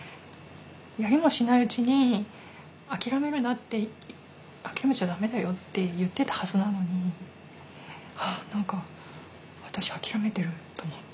「やりもしないうちに諦めるな」って「諦めちゃだめだよ」って言ってたはずなのに何か私諦めてると思って。